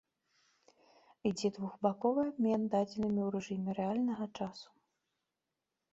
Ідзе двухбаковы абмен дадзенымі ў рэжыме рэальнага часу.